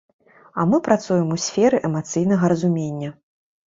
А мы працуем у сферы эмацыйнага разумення.